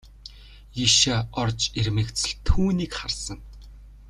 Ийшээ орж ирмэгц л түүнийг харсан.